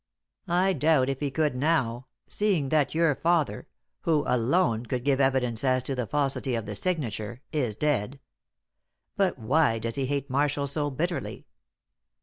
"I doubt if he could now, seeing that your father who alone could give evidence as to the falsity of the signature is dead. But why does he hate Marshall so bitterly?"